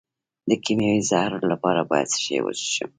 د کیمیاوي زهرو لپاره باید څه شی وڅښم؟